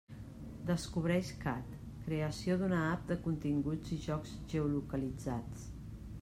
Descobreix cat: creació d'una app de continguts i jocs geolocalitzats.